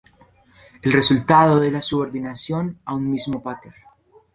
El resultado es la subordinación a un mismo pater.